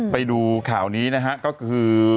ไปดูข่าวนี้นะฮะก็คือ